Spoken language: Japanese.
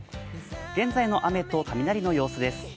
現在の雨と雷の様子です。